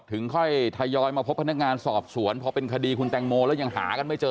ถึงค่อยทยอยมาพบพนักงานสอบสวนพอเป็นคดีคุณแตงโมแล้วยังหากันไม่เจอ